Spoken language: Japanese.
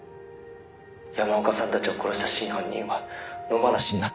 「山岡さんたちを殺した真犯人は野放しになってる」